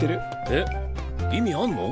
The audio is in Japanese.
えっ意味あんの？